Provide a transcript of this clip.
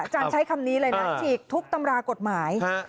ใช้คำนี้เลยนะฉีกทุกตำรากฎหมาย